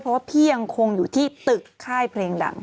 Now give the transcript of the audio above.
เพราะว่าพี่ยังคงอยู่ที่ตึกค่ายเพลงดัง